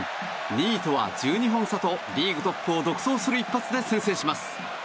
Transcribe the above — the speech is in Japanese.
２位とは１２本差とリーグトップを独走する一発で先制します。